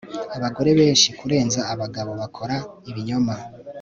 Abagore benshi kurenza abagabo bakora ibinyoma